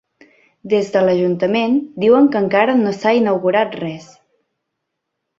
Des de l'ajuntament diuen que encara no s'ha inaugurat res.